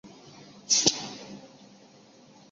赞科夫的行径引起共产国际的谴责。